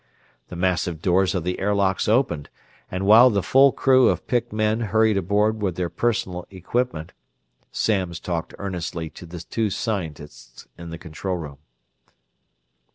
The massive doors of the air locks opened, and while the full crew of picked men hurried aboard with their personal equipment, Samms talked earnestly to the two scientists in the control room.